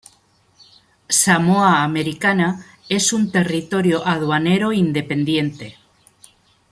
Samoa Americana es un territorio aduanero independiente.